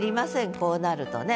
こうなるとね。